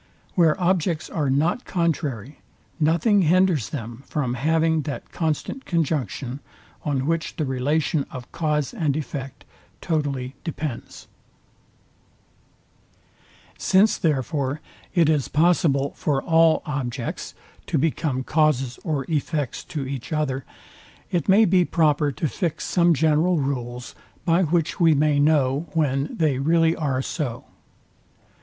Where objects are not contrary, nothing hinders them from having that constant conjunction, on which the relation of cause and effect totally depends. Part I. Sect. 5. Since therefore it is possible for all objects to become causes or effects to each other, it may be proper to fix some general rules, by which we may know when they really are so.